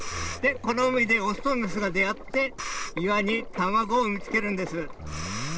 この海で雄と雌が出会って、岩に卵を産みつけるんです。